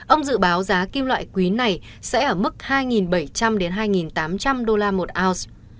ông dự báo giá kim loại quý này sẽ ở mức hai bảy trăm linh đồng